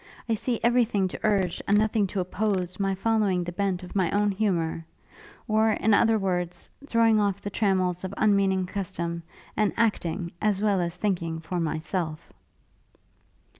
I see every thing to urge, and nothing to oppose my following the bent of my own humour; or, in other words, throwing off the trammels of unmeaning custom, and acting, as well as thinking, for myself.'